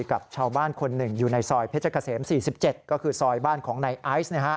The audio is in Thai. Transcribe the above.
กับชาวบ้านคนหนึ่งอยู่ในซอยเพชรเกษม๔๗ก็คือซอยบ้านของนายไอซ์